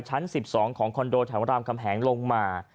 ชั้น๑๒ของคอนโดแถวรามคำแหงลงมา